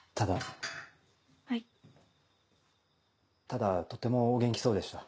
ただとてもお元気そうでした。